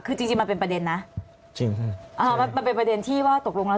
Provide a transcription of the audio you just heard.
คือจริงจริงมันเป็นประเด็นนะจริงอ่ามันมันเป็นประเด็นที่ว่าตกลงแล้ว